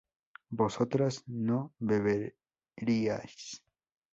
¿vosotras no beberíais?